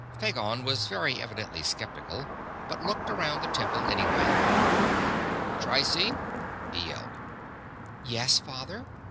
Phagon was very evidently skeptical, but looked around the temple, anyway. "Trycie!" he yelled. "Yes, father?"